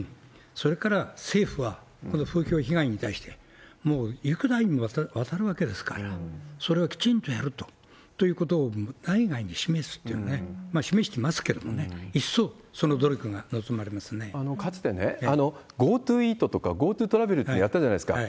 それから政府は、この風評被害に対して、もう幾代にも渡るわけですから、それをきちんとやるということを内外に示すっていうのをね、まあ、示してますけれどもね、かつてＧｏＴｏイートとか、ＧｏＴｏトラベルってやったじゃないですか。